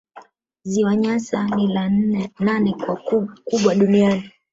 Ziwa Nyasa ni la nane kwa ukubwa duniani